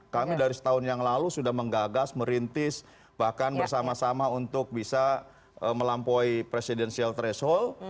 kami dari setahun yang lalu sudah menggagas merintis bahkan bersama sama untuk bisa melampaui presidensial threshold